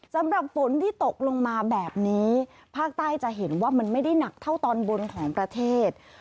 สำหรับฝนที่ตกลงมาแบบนี้ภาคใต้จะเห็นว่ามันไม่ได้หนักเท่าตอนบนของประเทศ